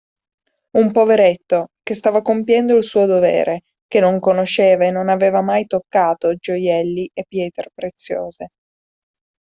Un poveretto, che stava compiendo il suo dovere, che non conosceva e non aveva mai toccato gioielli e pietre preziose.